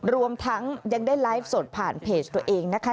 รวมทั้งยังได้ไลฟ์สดผ่านเพจตัวเองนะคะ